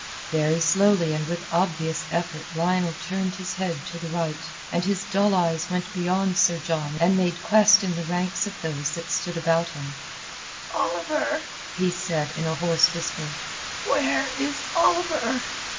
Very slowly and with obvious effort Lionel turned his head to the right, and his dull eyes went beyond Sir John and made quest in the ranks of those that stood about him. "Oliver?" he said in a hoarse whisper. "Where is Oliver?"